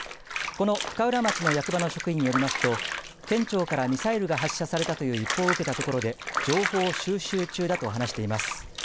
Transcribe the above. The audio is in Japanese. この深浦町の役場の職員によりますと県庁からミサイルが発射されたという一報を受けたところで情報を収集中だと話しています。